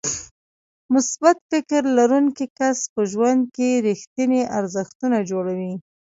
مثبت فکر لرونکی کس په ژوند کې رېښتيني ارزښتونه جوړوي.